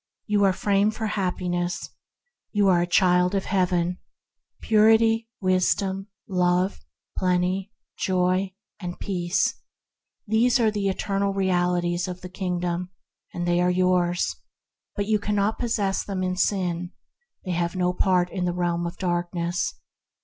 You are framed for Happi ness. You are a child of Heaven. Purity, Wisdom, Love, Plenty, Joy, and Peace: these are the eternal Realities of the King dom, and they are yours, but you cannot possess them in sin; they have no part in the Realm of Darkness.